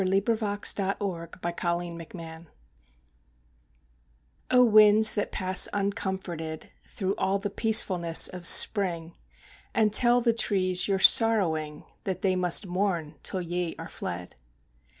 THE SORROW OF THE WINDS O winds that pass uncomforted Through all the peacefulness of spring, And tell the trees your sorrowing, That they must mourn till ye are fled!